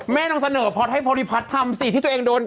แม่น้องเสนอก็พอให้พริพัทย์ทำสิที่ตัวเองโดน